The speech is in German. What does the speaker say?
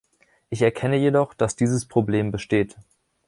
Ich erkenne jedoch, dass dieses Problem besteht.